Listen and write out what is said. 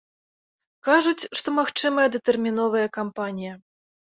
Кажуць, што магчымая датэрміновая кампанія.